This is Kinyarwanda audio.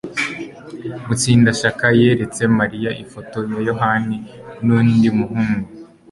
Mutsindashyaka yeretse Mariya ifoto ya Yohana nundi muhungu.